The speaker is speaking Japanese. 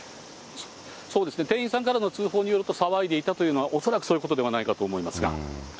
そうですね、店員さんからの通報によると、騒いでいたというのは恐らくそういうことではないかと思いますが。